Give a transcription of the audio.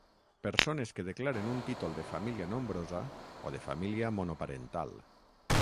Persones que declaren un títol de família nombrosa o de família monoparental.